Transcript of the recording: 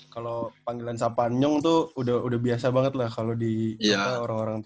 kalau panggilan sapa njong tuh udah biasa banget lah kalau di orang orang timur gitu